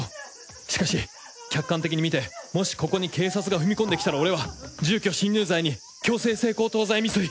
しかし客観的に見てもしここに警察が踏み込んできたら俺は住居侵入罪に強制性交等罪未遂！